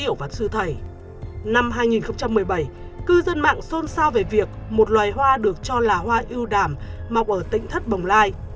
năm hai nghìn một mươi bảy cư dân mạng xôn xao về việc một loài hoa được cho là hoa ưu đảm mọc ở tỉnh thất bồng lai